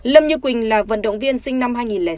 lâm như quỳnh là vận động viên sinh năm hai nghìn sáu